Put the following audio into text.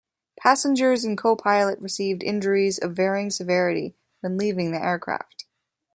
Passengers and copilot received injuries of varying severity when leaving the aircraft.